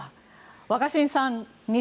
若新さん